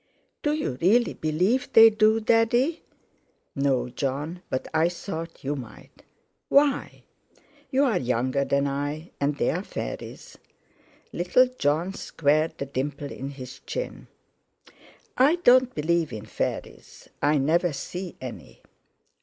"Do you really believe they do, Daddy?" "No, Jon, but I thought you might." "Why?" "You're younger than I; and they're fairies." Little Jon squared the dimple in his chin. "I don't believe in fairies. I never see any."